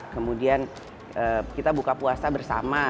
kemudian kita buka puasa bersama